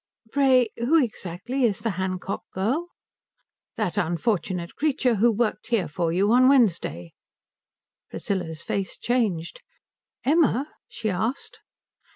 "Pray who, exactly, is the Hancock girl?" "That unfortunate creature who worked here for you on Wednesday." Priscilla's face changed. "Emma?" she asked.